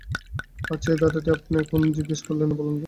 আচ্ছা এই ধাঁধাটি আপনেরে কোন জিজ্ঞেস করলাম বলেন তো?